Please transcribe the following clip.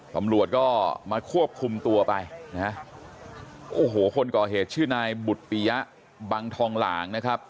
ตำรวจก็มาควบคุมตัวไปนะฮะโอ้โหคนก่อเหตุชื่อนายบุตปียะบังทองหลางนะครับ